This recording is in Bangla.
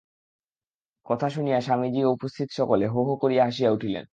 কথা শুনিয়া স্বামীজী ও উপস্থিত সকলে হো হো করিয়া হাসিয়া উঠিলেন।